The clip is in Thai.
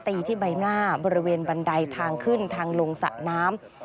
ตีที่ใบหน้าบริเวณบันไดทางขึ้นทางลงสระน้ำ